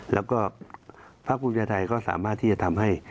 แล้วก็ภาคภูมิใจไทยก็สามารถที่จะทำให้